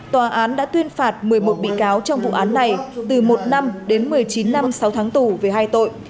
tòa án đã tuyên phạt một mươi một bị cáo trong vụ án này từ một năm đến một mươi chín năm sáu tháng tù về hai tội